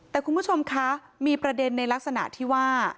แต่คุณผู้ชมคะมีประเด็นในลักษณะที่ว่า